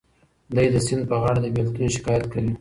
دی د سیند په غاړه د بېلتون شکایت کوي.